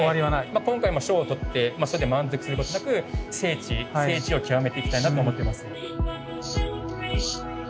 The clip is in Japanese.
今回賞を取ってそれで満足することなく精緻精緻を極めていきたいなと思っています。